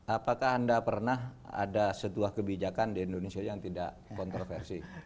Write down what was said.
apakah anda pernah ada setuah kebijakan di indonesia yang tidak kontroversi